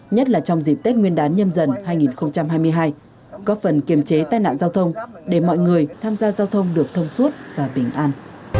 nhất là trong dịp tết nguyên đán nhâm dần hai nghìn hai mươi hai góp phần kiềm chế tai nạn giao thông để mọi người tham gia giao thông được thông suốt và bình an